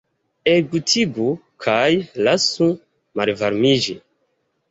Elgutigu kaj lasu malvarmiĝi.